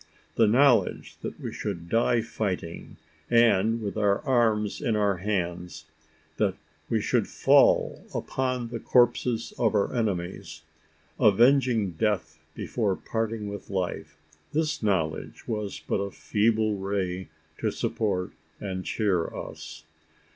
The knowledge that we should die fighting, and with arms in our hands that we should fall upon the corpses of our enemies, avenging death before parting with life this knowledge was but a feeble ray to support and cheer us.